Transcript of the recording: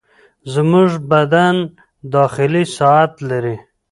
زموږ بدن داخلي ساعت لري.